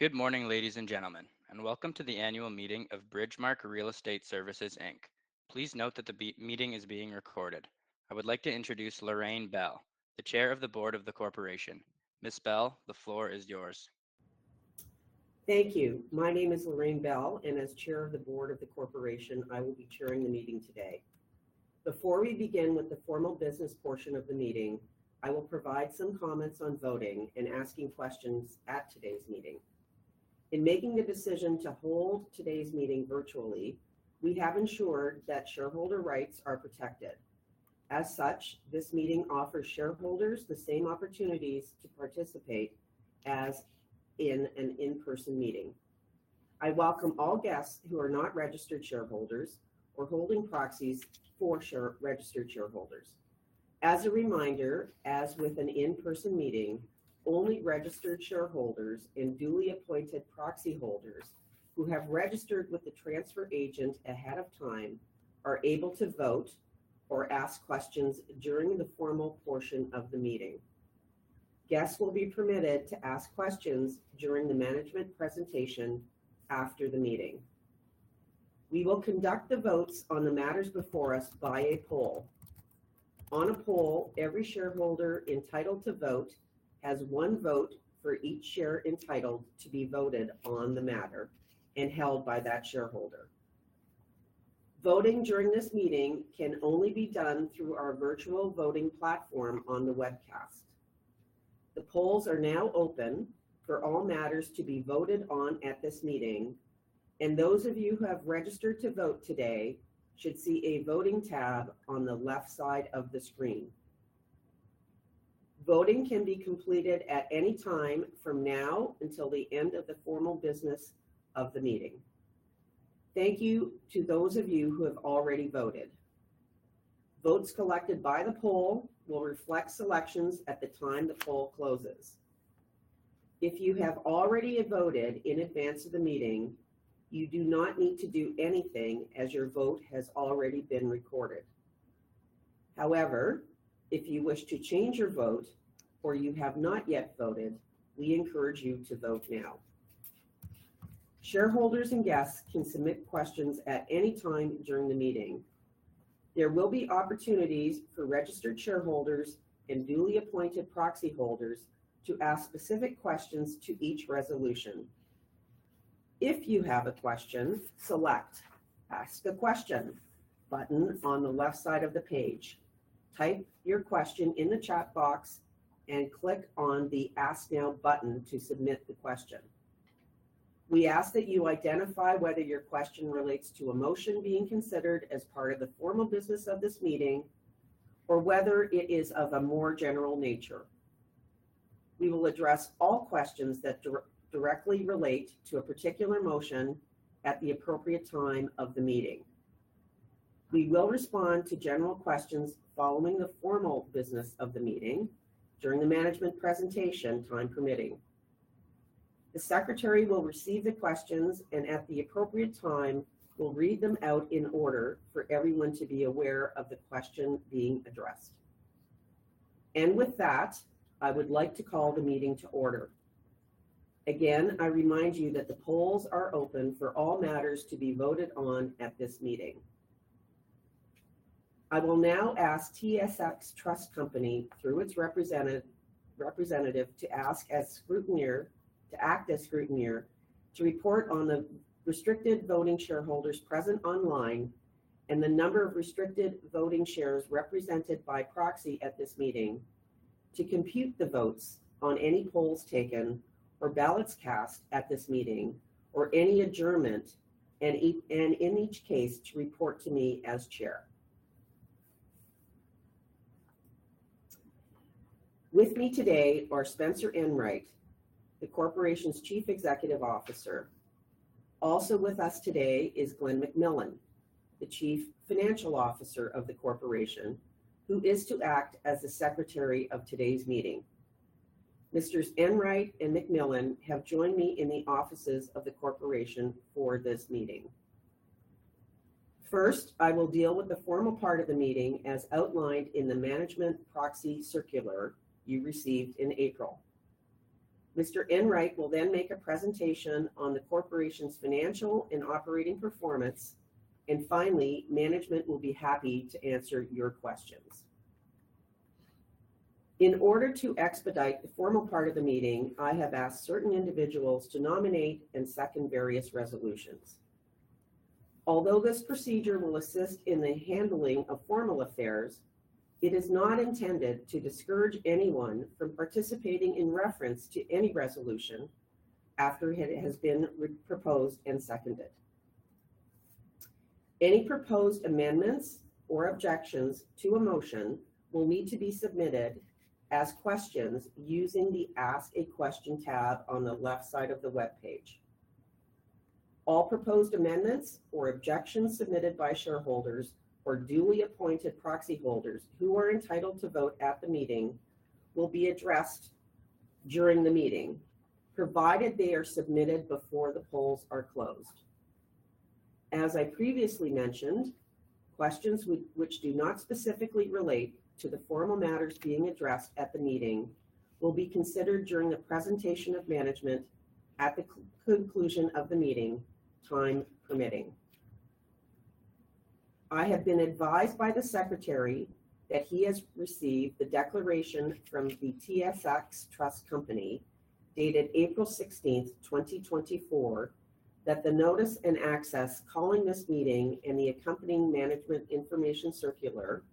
Good morning, ladies and gentlemen, and welcome to the annual meeting of Bridgemarq Real Estate Services Inc. Please note that the meeting is being recorded. I would like to introduce Lorraine Bell, the Chair of the Board of the Corporation. Ms. Bell, the floor is yours. Thank you. My name is Lorraine Bell, and as Chair of the Board of the Corporation, I will be chairing the meeting today. Before we begin with the formal business portion of the meeting, I will provide some comments on voting and asking questions at today's meeting. In making the decision to hold today's meeting virtually, we have ensured that shareholder rights are protected. As such, this meeting offers shareholders the same opportunities to participate as in an in-person meeting. I welcome all guests who are not registered shareholders or holding proxies for registered shareholders. As a reminder, as with an in-person meeting, only registered shareholders and duly appointed proxy holders who have registered with the transfer agent ahead of time are able to vote or ask questions during the formal portion of the meeting. Guests will be permitted to ask questions during the management presentation after the meeting. We will conduct the votes on the matters before us by a poll. On a poll, every shareholder entitled to vote has one vote for each share entitled to be voted on the matter and held by that shareholder. Voting during this meeting can only be done through our virtual voting platform on the webcast. The polls are now open for all matters to be voted on at this meeting, and those of you who have registered to vote today should see a voting tab on the left side of the screen. Voting can be completed at any time from now until the end of the formal business of the meeting. Thank you to those of you who have already voted. Votes collected by the poll will reflect selections at the time the poll closes. If you have already voted in advance of the meeting, you do not need to do anything as your vote has already been recorded. However, if you wish to change your vote or you have not yet voted, we encourage you to vote now. Shareholders and guests can submit questions at any time during the meeting. There will be opportunities for registered shareholders and duly appointed proxy holders to ask specific questions to each resolution. If you have a question, select Ask the Question button on the left side of the page. Type your question in the chat box and click on the Ask Now button to submit the question. We ask that you identify whether your question relates to a motion being considered as part of the formal business of this meeting, or whether it is of a more general nature. We will address all questions that directly relate to a particular motion at the appropriate time of the meeting. We will respond to general questions following the formal business of the meeting during the management presentation, time permitting. The secretary will receive the questions and at the appropriate time, will read them out in order for everyone to be aware of the question being addressed. And with that, I would like to call the meeting to order. Again, I remind you that the polls are open for all matters to be voted on at this meeting. I will now ask TSX Trust Company, through its representative, to act as scrutineer, to report on the restricted voting shareholders present online, and the number of restricted voting shares represented by proxy at this meeting, to compute the votes on any polls taken or ballots cast at this meeting or any adjournment, and in each case, to report to me as chair. With me today are Spencer Enright, the corporation's Chief Executive Officer. Also with us today is Glen McMillan, the Chief Financial Officer of the corporation, who is to act as the secretary of today's meeting. Misters Enright and McMillan have joined me in the offices of the corporation for this meeting. First, I will deal with the formal part of the meeting, as outlined in the Management Proxy Circular you received in April. Mr. Enright will then make a presentation on the corporation's financial and operating performance, and finally, management will be happy to answer your questions. In order to expedite the formal part of the meeting, I have asked certain individuals to nominate and second various resolutions. Although this procedure will assist in the handling of formal affairs, it is not intended to discourage anyone from participating in reference to any resolution after it has been proposed and seconded. Any proposed amendments or objections to a motion will need to be submitted as questions using the Ask a Question tab on the left side of the webpage. All proposed amendments or objections submitted by shareholders or duly appointed proxy holders who are entitled to vote at the meeting, will be addressed during the meeting, provided they are submitted before the polls are closed.... As I previously mentioned, questions, which do not specifically relate to the formal matters being addressed at the meeting, will be considered during the presentation of management at the conclusion of the meeting, time permitting. I have been advised by the secretary that he has received the declaration from the TSX Trust Company, dated April 16th, 2024, that the notice and access calling this meeting and the accompanying management information circular,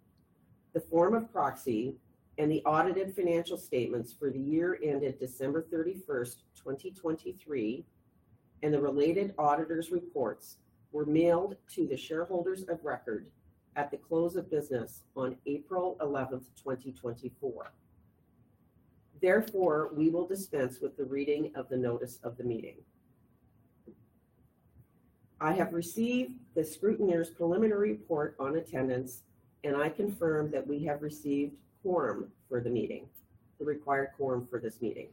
the form of proxy, and the audited financial statements for the year ended December 31st, 2023, and the related auditors' reports, were mailed to the shareholders of record at the close of business on April 11th, 2024. Therefore, we will dispense with the reading of the notice of the meeting. I have received the scrutineer's preliminary report on attendance, and I confirm that we have received quorum for the meeting, the required quorum for this meeting.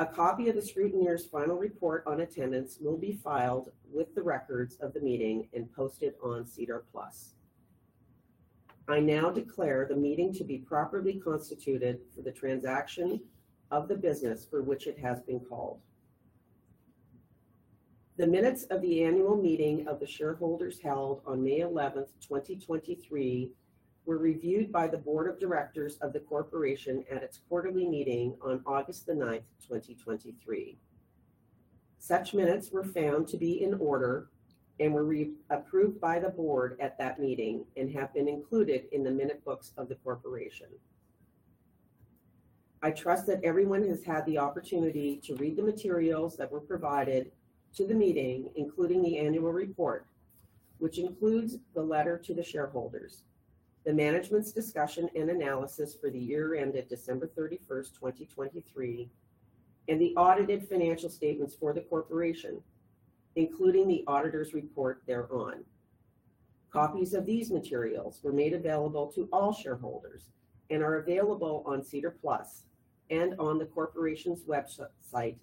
A copy of the scrutineer's final report on attendance will be filed with the records of the meeting and posted on SEDAR+. I now declare the meeting to be properly constituted for the transaction of the business for which it has been called. The minutes of the annual meeting of the shareholders held on May 11th, 2023, were reviewed by the Board of Directors of the Corporation at its quarterly meeting on August 9th, 2023. Such minutes were found to be in order and were re-approved by the board at that meeting and have been included in the minute books of the corporation. I trust that everyone has had the opportunity to read the materials that were provided to the meeting, including the annual report, which includes the letter to the shareholders, the Management's Discussion and Analysis for the year ended December 31st, 2023, and the audited financial statements for the corporation, including the auditor's report thereon. Copies of these materials were made available to all shareholders and are available on SEDAR+ and on the corporation's website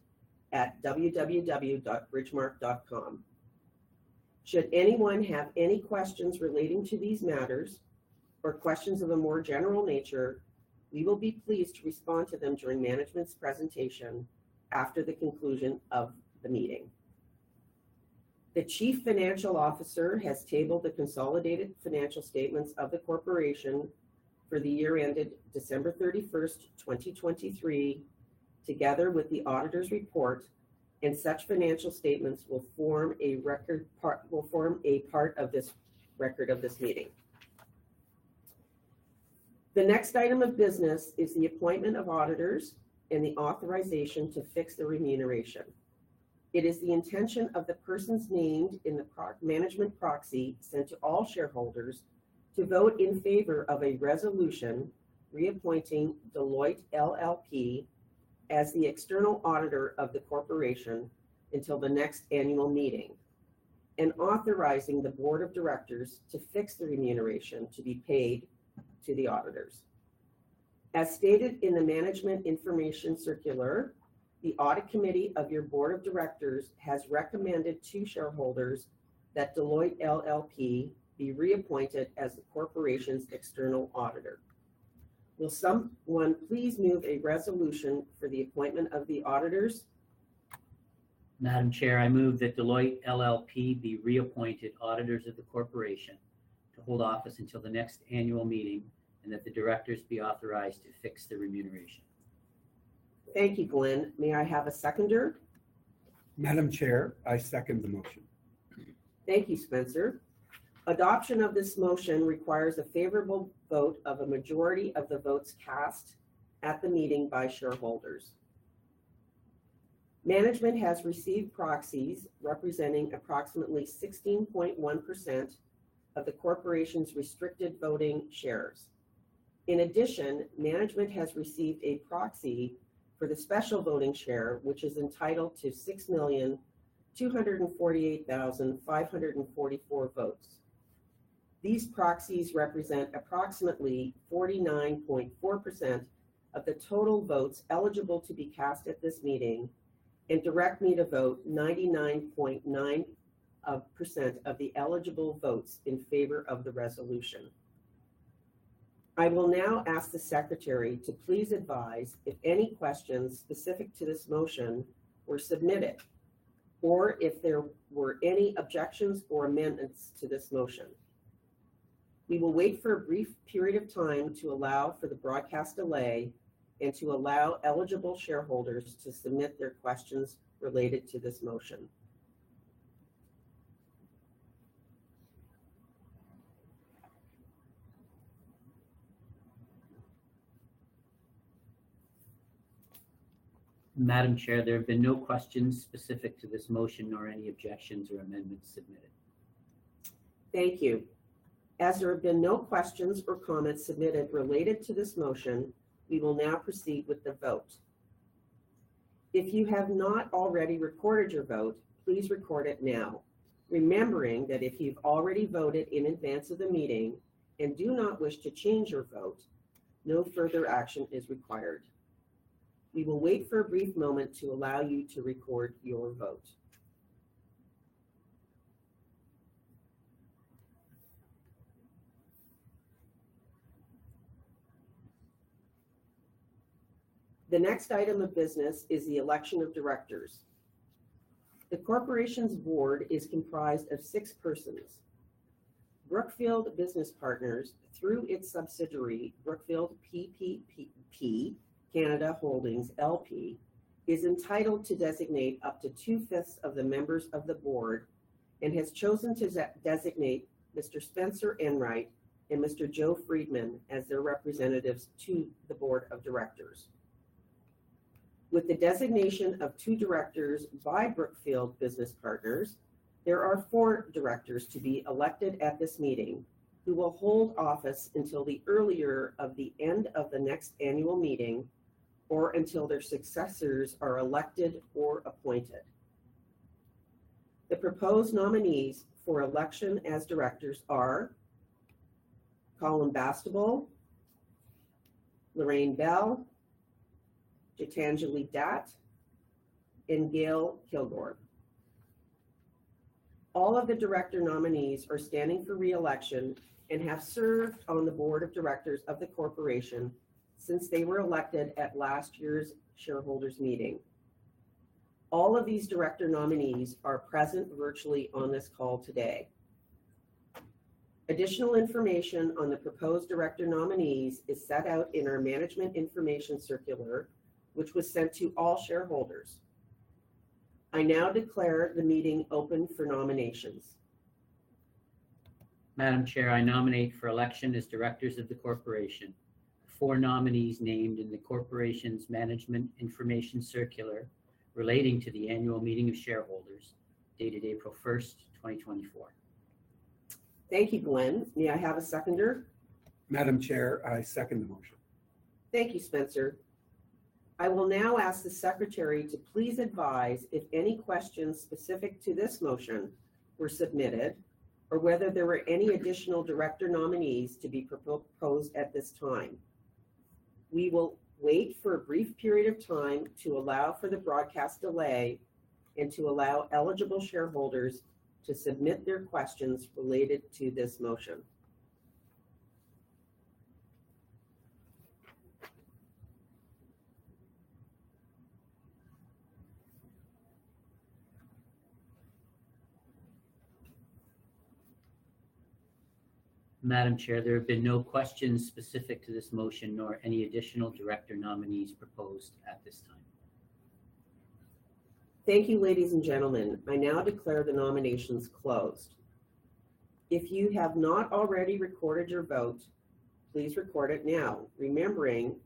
at www.bridgemarq.com. Should anyone have any questions relating to these matters or questions of a more general nature, we will be pleased to respond to them during management's presentation after the conclusion of the meeting. The Chief Financial Officer has tabled the consolidated financial statements of the corporation for the year ended December 31st, 2023, together with the auditor's report, and such financial statements will form a part of this record of this meeting. The next item of business is the appointment of auditors and the authorization to fix their remuneration. It is the intention of the persons named in the management proxy sent to all shareholders, to vote in favor of a resolution reappointing Deloitte LLP as the external auditor of the corporation until the next annual meeting, and authorizing the board of directors to fix the remuneration to be paid to the auditors. As stated in the Management Information Circular, the audit committee of your board of directors has recommended to shareholders that Deloitte LLP be reappointed as the corporation's external auditor. Will someone please move a resolution for the appointment of the auditors? Madam Chair, I move that Deloitte LLP be reappointed auditors of the corporation to hold office until the next annual meeting, and that the directors be authorized to fix their remuneration. Thank you, Glen. May I have a seconder? Madam Chair, I second the motion. Thank you, Spencer. Adoption of this motion requires a favorable vote of a majority of the votes cast at the meeting by shareholders. Management has received proxies representing approximately 16.1% of the corporation's restricted voting shares. In addition, management has received a proxy for the special voting share, which is entitled to 6,248,544 votes. These proxies represent approximately 49.4% of the total votes eligible to be cast at this meeting and direct me to vote 99.9% of the eligible votes in favor of the resolution. I will now ask the secretary to please advise if any questions specific to this motion were submitted, or if there were any objections or amendments to this motion. We will wait for a brief period of time to allow for the broadcast delay and to allow eligible shareholders to submit their questions related to this motion. Madam Chair, there have been no questions specific to this motion, nor any objections or amendments submitted. Thank you. As there have been no questions or comments submitted related to this motion, we will now proceed with the vote. If you have not already recorded your vote, please record it now, remembering that if you've already voted in advance of the meeting and do not wish to change your vote, no further action is required.... We will wait for a brief moment to allow you to record your vote. The next item of business is the election of directors. The corporation's board is comprised of six persons. Brookfield Business Partners, through its subsidiary, Brookfield BBP Canada Holdings LP, is entitled to designate up to two-fifths of the members of the board and has chosen to designate Mr. Spencer Enright and Mr. Joe Freedman as their representatives to the board of directors. With the designation of two directors by Brookfield Business Partners, there are four directors to be elected at this meeting, who will hold office until the earlier of the end of the next annual meeting or until their successors are elected or appointed. The proposed nominees for election as directors are: Colum Bastable, Lorraine Bell, Geetanjali Datt, and Gail Kilgour. All of the director nominees are standing for re-election and have served on the board of directors of the corporation since they were elected at last year's shareholders' meeting. All of these director nominees are present virtually on this call today. Additional information on the proposed director nominees is set out in our Management Information Circular, which was sent to all shareholders. I now declare the meeting open for nominations. Madam Chair, I nominate for election as directors of the corporation, four nominees named in the corporation's Management Information Circular relating to the annual meeting of shareholders, dated April 1, 2024. Thank you, Glen. May I have a seconder? Madam Chair, I second the motion. Thank you, Spencer. I will now ask the secretary to please advise if any questions specific to this motion were submitted or whether there were any additional director nominees to be proposed at this time. We will wait for a brief period of time to allow for the broadcast delay and to allow eligible shareholders to submit their questions related to this motion. Madam Chair, there have been no questions specific to this motion, nor any additional director nominees proposed at this time. Thank you, ladies and gentlemen. I now declare the nominations closed. If you have not already recorded your vote, please record it now, remembering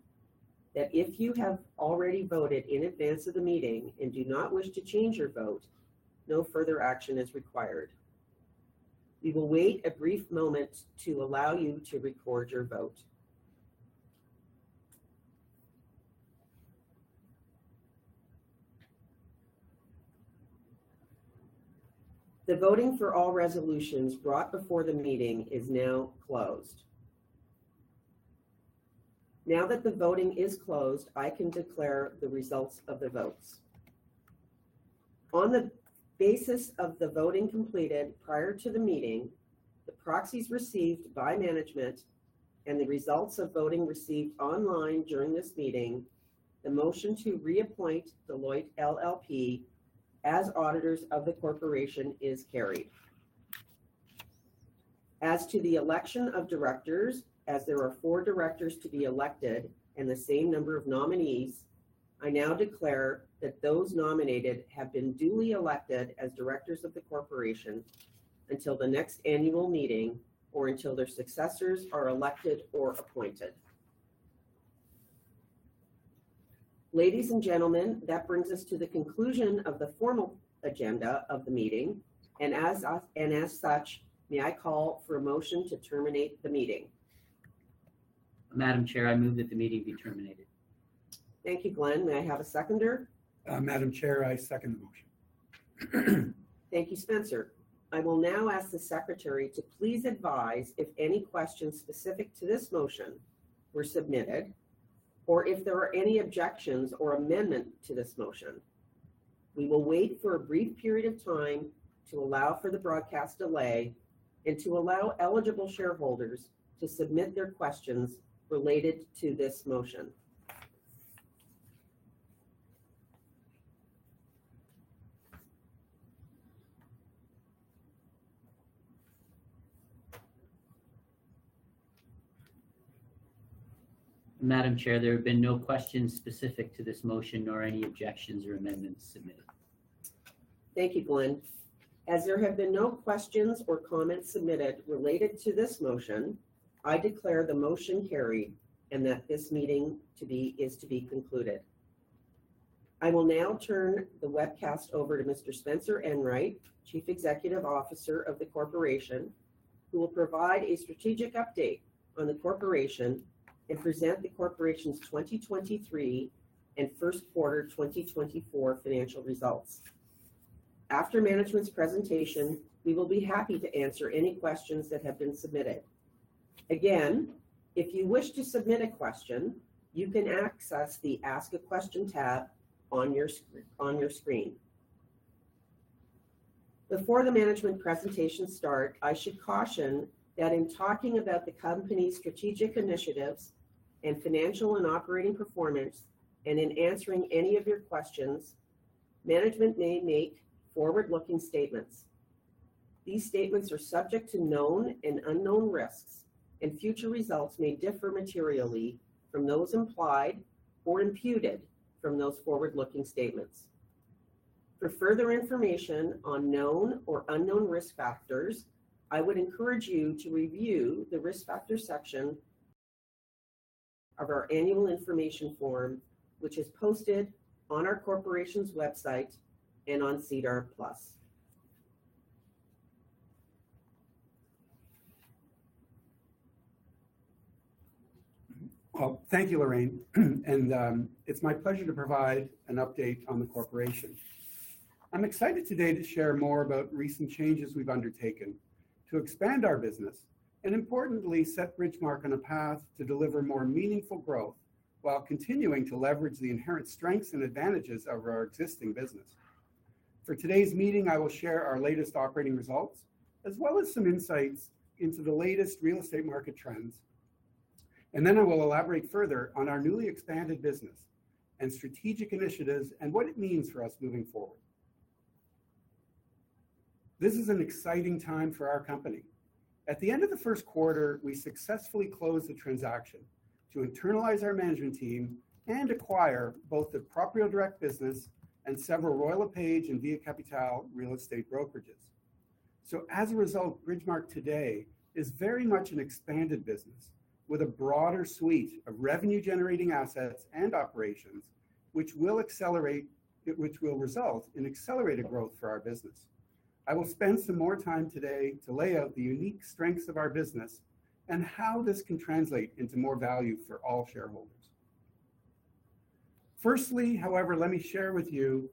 that if you have already voted in advance of the meeting and do not wish to change your vote, no further action is required. We will wait a brief moment to allow you to record your vote. The voting for all resolutions brought before the meeting is now closed. Now that the voting is closed, I can declare the results of the votes. On the basis of the voting completed prior to the meeting, the proxies received by management, and the results of voting received online during this meeting, the motion to reappoint Deloitte LLP as auditors of the corporation is carried. As to the election of directors, as there are four directors to be elected and the same number of nominees, I now declare that those nominated have been duly elected as directors of the corporation until the next annual meeting or until their successors are elected or appointed. Ladies and gentlemen, that brings us to the conclusion of the formal agenda of the meeting, and as such, may I call for a motion to terminate the meeting? Madam Chair, I move that the meeting be terminated. Thank you, Glen. May I have a seconder? Madam Chair, I second the motion. Thank you, Spencer. I will now ask the secretary to please advise if any questions specific to this motion were submitted or if there are any objections or amendment to this motion. We will wait for a brief period of time to allow for the broadcast delay and to allow eligible shareholders to submit their questions related to this motion. Madam Chair, there have been no questions specific to this motion, nor any objections or amendments submitted. Thank you, Glen. As there have been no questions or comments submitted related to this motion, I declare the motion carried and that this meeting to be, is to be concluded. I will now turn the webcast over to Mr. Spencer Enright, Chief Executive Officer of the corporation, who will provide a strategic update on the corporation and present the corporation's 2023 and first quarter 2024 financial results. After management's presentation, we will be happy to answer any questions that have been submitted. Again, if you wish to submit a question, you can access the Ask a Question tab on your screen. Before the management presentation start, I should caution that in talking about the company's strategic initiatives and financial and operating performance, and in answering any of your questions, management may make forward-looking statements. These statements are subject to known and unknown risks, and future results may differ materially from those implied or imputed from those forward-looking statements. For further information on known or unknown risk factors, I would encourage you to review the Risk Factors section of our Annual Information Form, which is posted on our corporation's website and on SEDAR+. Well, thank you, Lorraine, and, it's my pleasure to provide an update on the corporation. I'm excited today to share more about recent changes we've undertaken to expand our business and importantly, set Bridgemarq on a path to deliver more meaningful growth while continuing to leverage the inherent strengths and advantages of our existing business. For today's meeting, I will share our latest operating results, as well as some insights into the latest real estate market trends. Then I will elaborate further on our newly expanded business and strategic initiatives and what it means for us moving forward. This is an exciting time for our company. At the end of the first quarter, we successfully closed the transaction to internalize our management team and acquire both the Proprio Direct business and several Royal LePage and Via Capitale real estate brokerages. So as a result, Bridgemarq today is very much an expanded business with a broader suite of revenue-generating assets and operations, which will result in accelerated growth for our business. I will spend some more time today to lay out the unique strengths of our business and how this can translate into more value for all shareholders. Firstly, however, let me share with you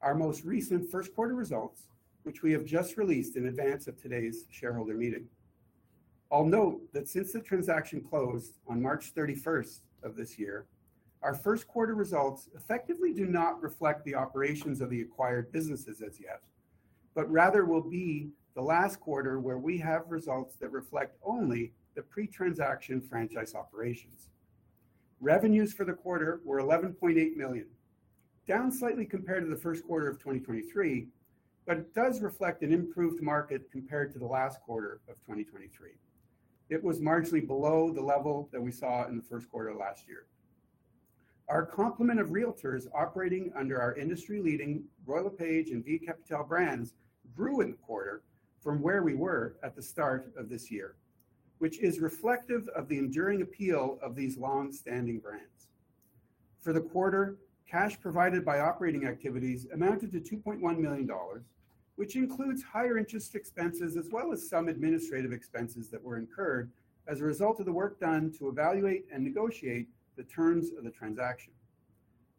our most recent first quarter results, which we have just released in advance of today's shareholder meeting. I'll note that since the transaction closed on March 31st of this year, our first quarter results effectively do not reflect the operations of the acquired businesses as yet, but rather will be the last quarter where we have results that reflect only the pre-transaction franchise operations. Revenues for the quarter were 11.8 million, down slightly compared to the first quarter of 2023, but it does reflect an improved market compared to the last quarter of 2023. It was marginally below the level that we saw in the first quarter of last year. Our complement of realtors operating under our industry-leading Royal LePage and Via Capitale brands grew in the quarter from where we were at the start of this year, which is reflective of the enduring appeal of these long-standing brands. For the quarter, cash provided by operating activities amounted to 2.1 million dollars, which includes higher interest expenses as well as some administrative expenses that were incurred as a result of the work done to evaluate and negotiate the terms of the transaction.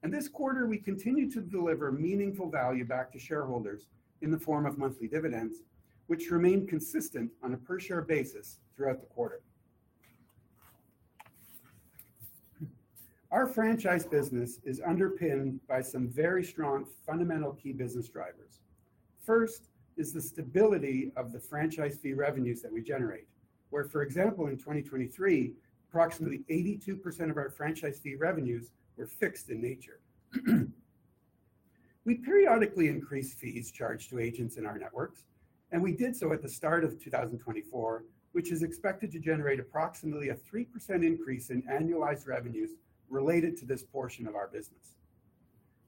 In this quarter, we continued to deliver meaningful value back to shareholders in the form of monthly dividends, which remained consistent on a per-share basis throughout the quarter. Our franchise business is underpinned by some very strong fundamental key business drivers. First is the stability of the franchise fee revenues that we generate, where, for example, in 2023, approximately 82% of our franchise fee revenues were fixed in nature. We periodically increase fees charged to agents in our networks, and we did so at the start of 2024, which is expected to generate approximately a 3% increase in annualized revenues related to this portion of our business.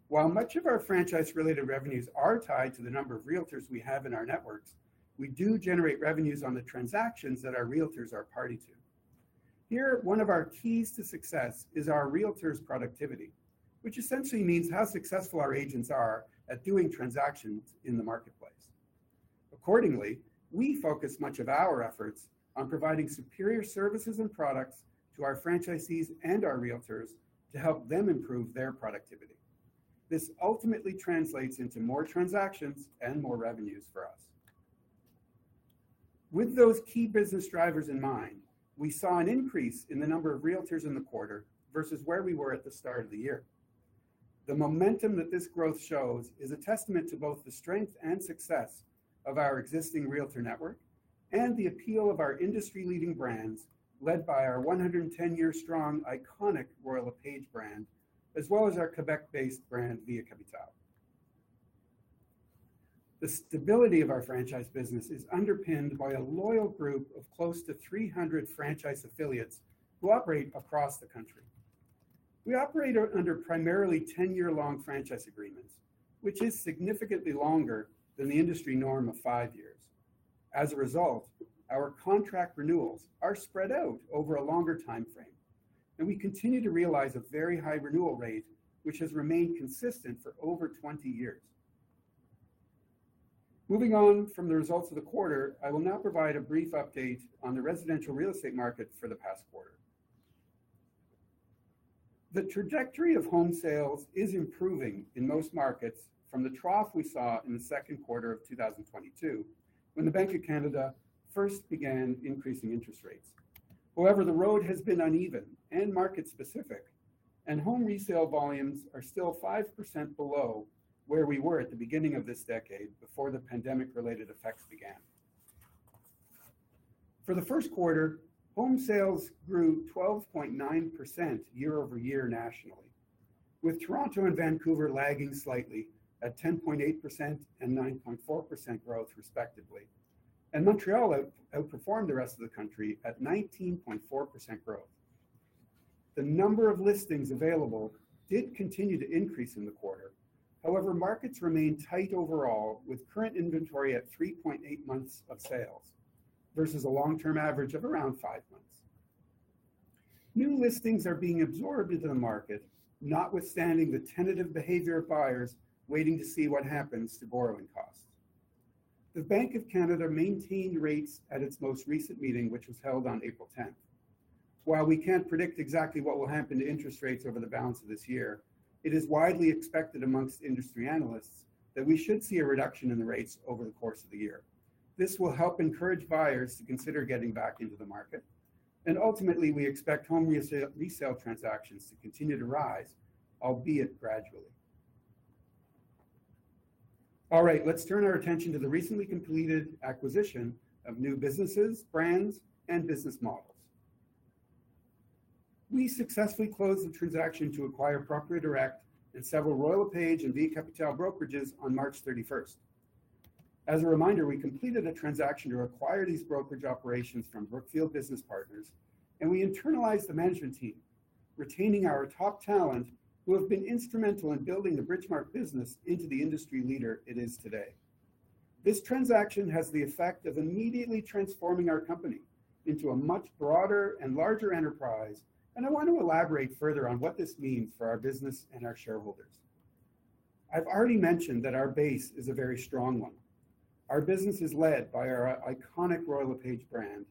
While much of our franchise-related revenues are tied to the number of realtors we have in our networks, we do generate revenues on the transactions that our realtors are party to. Here, one of our keys to success is our realtors' productivity, which essentially means how successful our agents are at doing transactions in the marketplace. Accordingly, we focus much of our efforts on providing superior services and products to our franchisees and our realtors to help them improve their productivity. This ultimately translates into more transactions and more revenues for us. With those key business drivers in mind, we saw an increase in the number of realtors in the quarter versus where we were at the start of the year. The momentum that this growth shows is a testament to both the strength and success of our existing realtor network and the appeal of our industry-leading brands, led by our 110-year strong, iconic Royal LePage brand, as well as our Quebec-based brand, Via Capitale. The stability of our franchise business is underpinned by a loyal group of close to 300 franchise affiliates who operate across the country. We operate under primarily 10-year-long franchise agreements, which is significantly longer than the industry norm of five years. As a result, our contract renewals are spread out over a longer timeframe, and we continue to realize a very high renewal rate, which has remained consistent for over 20 years. Moving on from the results of the quarter, I will now provide a brief update on the residential real estate market for the past quarter. The trajectory of home sales is improving in most markets from the trough we saw in the second quarter of 2022, when the Bank of Canada first began increasing interest rates. However, the road has been uneven and market-specific, and home resale volumes are still 5% below where we were at the beginning of this decade before the pandemic-related effects began. For the first quarter, home sales grew 12.9% year over year nationally, with Toronto and Vancouver lagging slightly at 10.8% and 9.4% growth, respectively, and Montreal outperformed the rest of the country at 19.4% growth. The number of listings available did continue to increase in the quarter. However, markets remained tight overall, with current inventory at 3.8 months of sales, versus a long-term average of around 5 months. New listings are being absorbed into the market, notwithstanding the tentative behavior of buyers waiting to see what happens to borrowing costs. The Bank of Canada maintained rates at its most recent meeting, which was held on April tenth. While we can't predict exactly what will happen to interest rates over the balance of this year, it is widely expected among industry analysts that we should see a reduction in the rates over the course of the year. This will help encourage buyers to consider getting back into the market, and ultimately, we expect home resale transactions to continue to rise, albeit gradually. All right, let's turn our attention to the recently completed acquisition of new businesses, brands, and business models. We successfully closed the transaction to acquire Proprio Direct and several Royal LePage and Via Capitale brokerages on March thirty-first. As a reminder, we completed a transaction to acquire these brokerage operations from Brookfield Business Partners, and we internalized the management team, retaining our top talent, who have been instrumental in building the Bridgemarq business into the industry leader it is today. This transaction has the effect of immediately transforming our company into a much broader and larger enterprise, and I want to elaborate further on what this means for our business and our shareholders. I've already mentioned that our base is a very strong one. Our business is led by our iconic Royal LePage brand,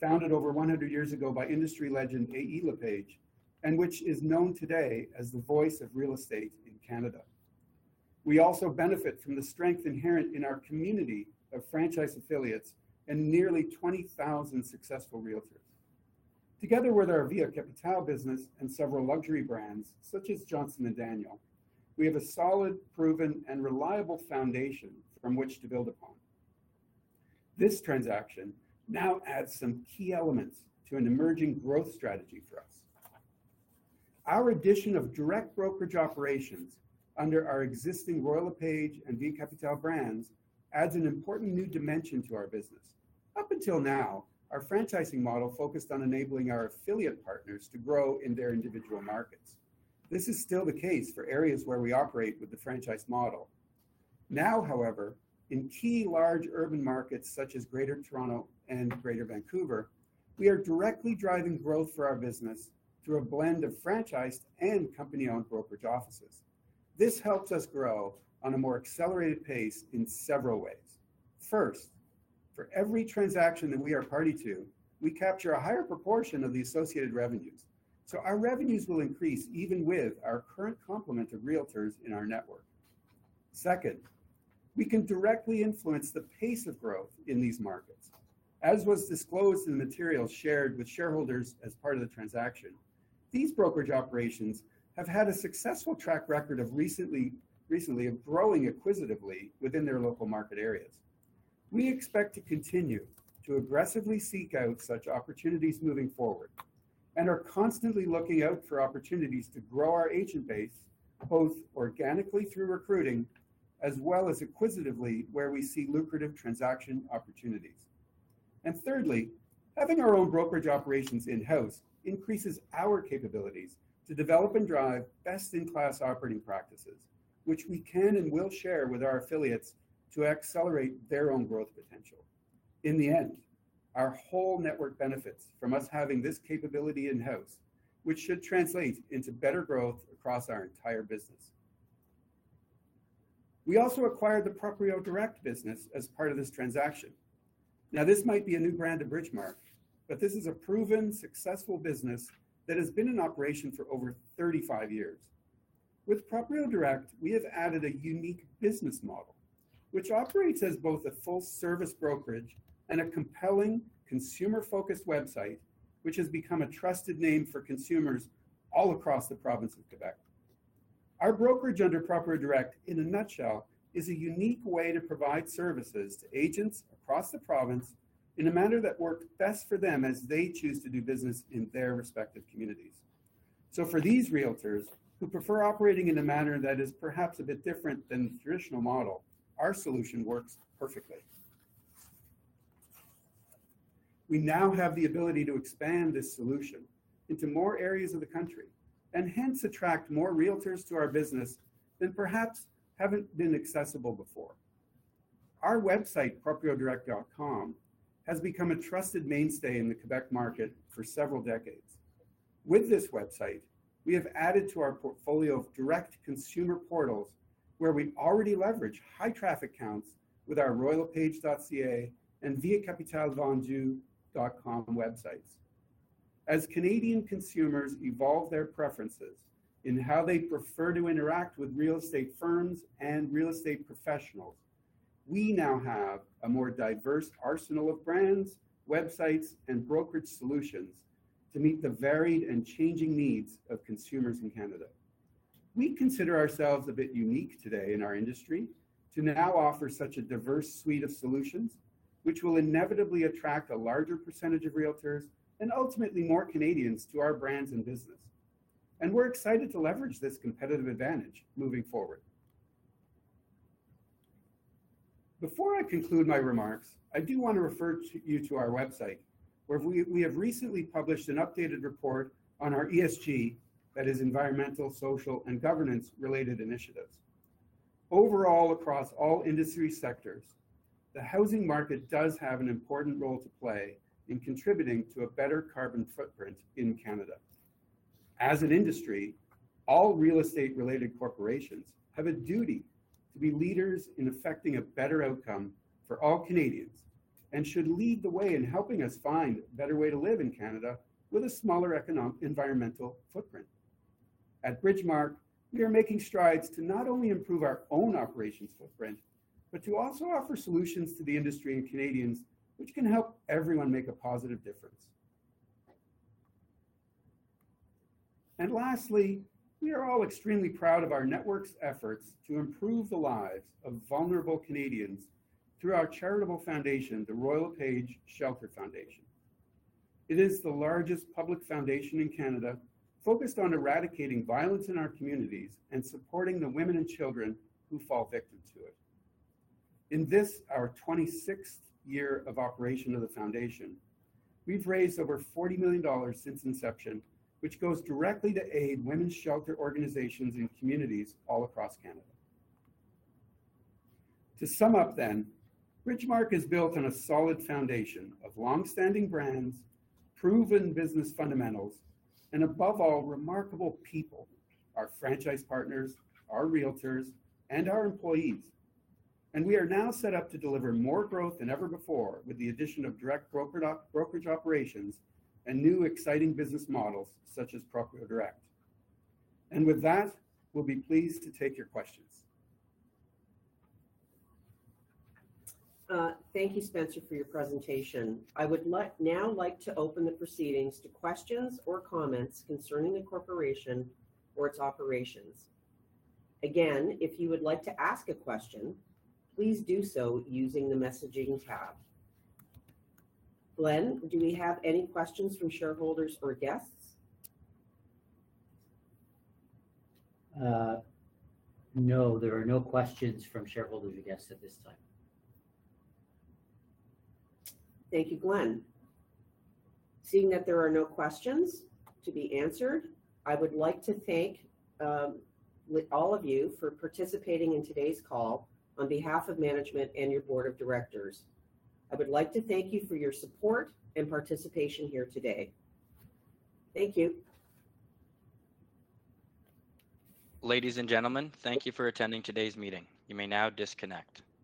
founded over 100 years ago by industry legend, A. E. LePage, and which is known today as the voice of real estate in Canada. We also benefit from the strength inherent in our community of franchise affiliates and nearly 20,000 successful realtors. Together with our Via Capitale business and several luxury brands, such as Johnston & Daniel, we have a solid, proven, and reliable foundation from which to build upon. This transaction now adds some key elements to an emerging growth strategy for us. Our addition of direct brokerage operations under our existing Royal LePage and Via Capitale brands adds an important new dimension to our business. Up until now, our franchising model focused on enabling our affiliate partners to grow in their individual markets. This is still the case for areas where we operate with the franchise model. Now, however, in key large urban markets such as Greater Toronto and Greater Vancouver, we are directly driving growth for our business through a blend of franchised and company-owned brokerage offices. This helps us grow on a more accelerated pace in several ways. First, for every transaction that we are party to, we capture a higher proportion of the associated revenues, so our revenues will increase even with our current complement of realtors in our network. Second, we can directly influence the pace of growth in these markets. As was disclosed in the material shared with shareholders as part of the transaction, these brokerage operations have had a successful track record of recently growing acquisitively within their local market areas. We expect to continue to aggressively seek out such opportunities moving forward and are constantly looking out for opportunities to grow our agent base, both organically through recruiting as well as acquisitively, where we see lucrative transaction opportunities. And thirdly, having our own brokerage operations in-house increases our capabilities to develop and drive best-in-class operating practices, which we can and will share with our affiliates to accelerate their own growth potential. In the end, our whole network benefits from us having this capability in-house, which should translate into better growth across our entire business. We also acquired the Proprio Direct business as part of this transaction. Now, this might be a new brand to Bridgemarq, but this is a proven, successful business that has been in operation for over 35 years. With Proprio Direct, we have added a unique business model, which operates as both a full-service brokerage and a compelling, consumer-focused website, which has become a trusted name for consumers all across the province of Quebec. Our brokerage under Proprio Direct, in a nutshell, is a unique way to provide services to agents across the province in a manner that worked best for them as they choose to do business in their respective communities. So for these realtors who prefer operating in a manner that is perhaps a bit different than the traditional model, our solution works perfectly. We now have the ability to expand this solution into more areas of the country and hence attract more realtors to our business than perhaps haven't been accessible before. Our website, propriodirect.com, has become a trusted mainstay in the Quebec market for several decades. With this website, we have added to our portfolio of direct consumer portals, where we already leverage high traffic counts with our royallepage.ca and viacapitalebonjour.com websites.... As Canadian consumers evolve their preferences in how they prefer to interact with real estate firms and real estate professionals, we now have a more diverse arsenal of brands, websites, and brokerage solutions to meet the varied and changing needs of consumers in Canada. We consider ourselves a bit unique today in our industry to now offer such a diverse suite of solutions, which will inevitably attract a larger percentage of realtors and ultimately more Canadians to our brands and business. We're excited to leverage this competitive advantage moving forward. Before I conclude my remarks, I do want to refer you to our website, where we have recently published an updated report on our ESG, that is environmental, social, and governance-related initiatives. Overall, across all industry sectors, the housing market does have an important role to play in contributing to a better carbon footprint in Canada. As an industry, all real estate-related corporations have a duty to be leaders in effecting a better outcome for all Canadians and should lead the way in helping us find a better way to live in Canada with a smaller environmental footprint. At Bridgemarq, we are making strides to not only improve our own operations footprint, but to also offer solutions to the industry and Canadians, which can help everyone make a positive difference. And lastly, we are all extremely proud of our network's efforts to improve the lives of vulnerable Canadians through our charitable foundation, the Royal LePage Shelter Foundation. It is the largest public foundation in Canada, focused on eradicating violence in our communities and supporting the women and children who fall victim to it. In this, our 26th year of operation of the foundation, we've raised over 40 million dollars since inception, which goes directly to aid women's shelter organizations and communities all across Canada. To sum up then, Bridgemarq is built on a solid foundation of long-standing brands, proven business fundamentals, and above all, remarkable people, our franchise partners, our realtors, and our employees. We are now set up to deliver more growth than ever before, with the addition of direct brokerage operations and new exciting business models such as Proprio Direct. And with that, we'll be pleased to take your questions. Thank you, Spencer, for your presentation. I would like now to open the proceedings to questions or comments concerning the corporation or its operations. Again, if you would like to ask a question, please do so using the messaging tab. Glen, do we have any questions from shareholders or guests? No, there are no questions from shareholders or guests at this time. Thank you, Glen. Seeing that there are no questions to be answered, I would like to thank, with all of you for participating in today's call on behalf of management and your board of directors. I would like to thank you for your support and participation here today. Thank you. Ladies and gentlemen, thank you for attending today's meeting. You may now disconnect.